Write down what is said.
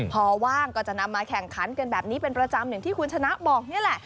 พอว่างก็จะนำมาแข่งขันกันแบบนี้เป็นประจำอย่างที่คุณชนะบอกนี่แหละ